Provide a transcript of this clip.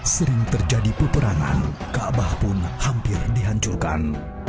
sering terjadi peperangan kaabah pun hampir dihancurkan